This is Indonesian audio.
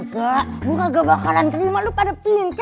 gua kagak bakalan terima lu pada pincir